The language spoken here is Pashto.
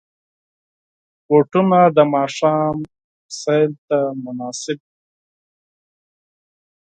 بوټونه د ماښام سیر ته مناسب وي.